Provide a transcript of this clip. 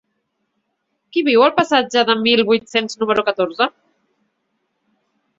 Qui viu al passatge del Mil vuit-cents número catorze?